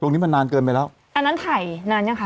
นี้มันนานเกินไปแล้วอันนั้นถ่ายนานยังคะ